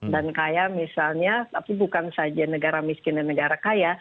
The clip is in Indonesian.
dan kaya misalnya tapi bukan saja negara miskin dan negara kaya